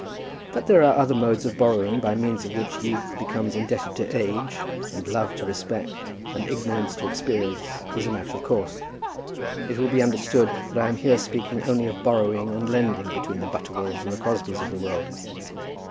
That there are other modes of borrowing by means of which youth becomes indebted to age, and love to respect, and ignorance to experience, is a matter of course. It will be understood that I am here speaking only of borrowing and lending between the Butterwells and Crosbies of the world.